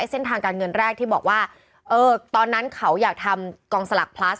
เส้นทางการเงินแรกที่บอกว่าตอนนั้นเขาอยากทำกองสลักพลัส